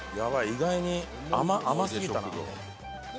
意外に甘すぎたな。